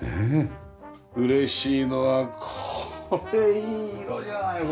嬉しいのはこれいい色じゃないの。